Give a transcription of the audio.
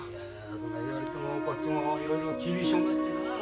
そな言われてもこっちもいろいろ厳しおましてなあ。